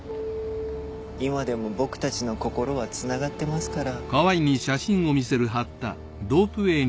今でも僕たちの心はつながってますから。